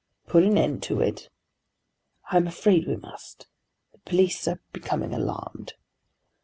"Put an end to it?" "I am afraid we must. The police are becoming alarmed."